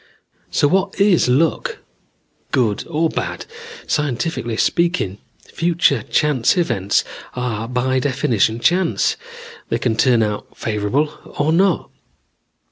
"So what is luck, good or bad? Scientifically speaking, future chance events are by definition chance. They can turn out favorable or not.